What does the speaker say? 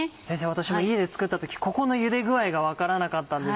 私も家で作った時ここのゆで具合が分からなかったんです。